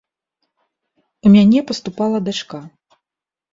У мяне паступала дачка.